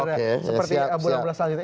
oke siap siap